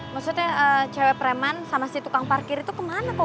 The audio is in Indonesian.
maksudnya cewek preman sama si tukang parkir itu kemana kok